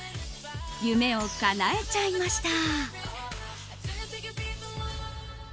夢をかなえちゃいました。